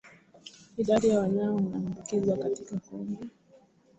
Idadi ya Wanyama wanaoambukizwa katika kundi